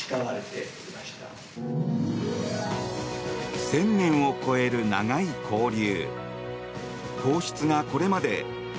１０００年を超える長い交流。